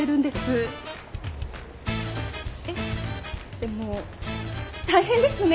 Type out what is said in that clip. でも大変ですね